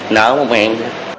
nở một mạng